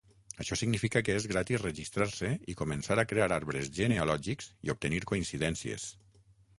Això significa que és gratis registrar-se i començar a crear arbres genealògics i obtenir coincidències.